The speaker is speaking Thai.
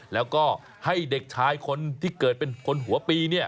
แล้วก็ให้เด็กชายคนที่เกิดเป็นคนหัวปีเนี่ย